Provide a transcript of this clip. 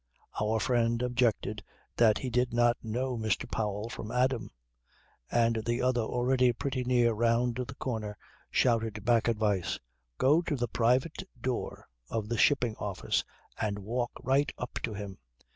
Our friend objected that he did not know Mr. Powell from Adam. And the other already pretty near round the corner shouted back advice: "Go to the private door of the Shipping Office and walk right up to him.